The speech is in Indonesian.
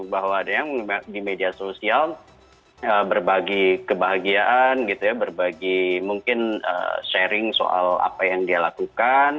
bahwa ada yang di media sosial berbagi kebahagiaan gitu ya berbagi mungkin sharing soal apa yang dia lakukan